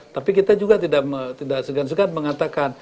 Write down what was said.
tapi kita juga tidak segan segan mengatakan